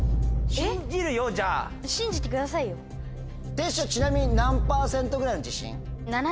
てっしょうちなみに何％ぐらいの自信？